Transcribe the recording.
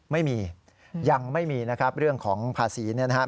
ไม่มียังไม่มีนะครับเรื่องของภาษีเนี่ยนะครับ